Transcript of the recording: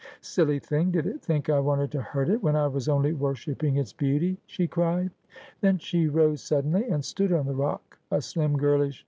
' Silly thing, did it think I wanted to hurt it, when I was only worshipping its beauty?' she cried. Then she rose suddenly, and stood on the rock, a slim girlish ' And this ivas gladly in the Eventide.'